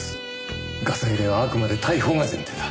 ガサ入れはあくまで逮捕が前提だ。